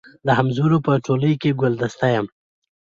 د همزولو په ټولۍ کي ګلدسته یم